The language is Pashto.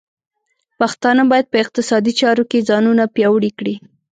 پښتانه بايد په اقتصادي چارو کې ځانونه پیاوړي کړي.